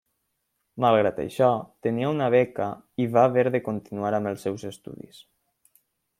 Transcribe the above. Malgrat això, tenia una beca i va haver de continuar amb els seus estudis.